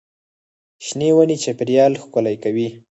شنې ونې چاپېریال ښکلی کوي.